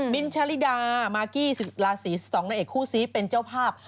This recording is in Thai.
นชาลิดามากกี้ราศีสองนางเอกคู่ซีเป็นเจ้าภาพ